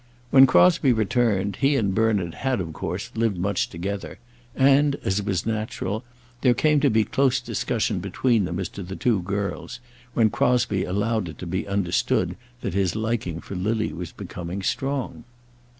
When Crosbie returned, he and Bernard had, of course, lived much together; and, as was natural, there came to be close discussion between them as to the two girls, when Crosbie allowed it to be understood that his liking for Lily was becoming strong.